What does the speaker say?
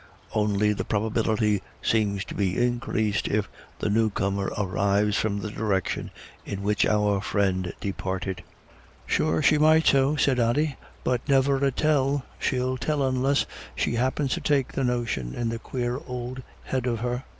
Only the probability seems to be increased if the newcomer arrives from the direction in which our friend departed. "Sure she might so," said Ody. "But niver a tell she'll tell onless she happens to take the notion in the quare ould head of her.